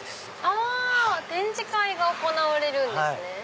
あ展示会が行われるんですね。